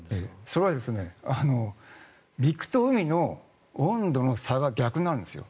それは陸と海の温度の差が逆になるんですよ。